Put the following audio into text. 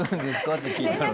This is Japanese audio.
って聞いたのに。